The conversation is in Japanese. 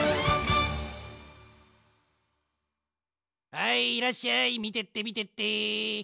はいいらっしゃいみてってみてって。